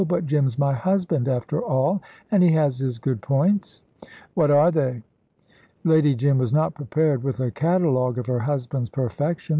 But Jim's my husband, after all. And he has his good points." "What are they?" Lady Jim was not prepared with a catalogue of her husband's perfections.